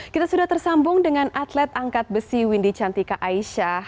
kita sudah tersambung dengan atlet angkat besi windy cantika aisyah